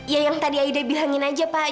ya yang tadi aida bilangin aja pak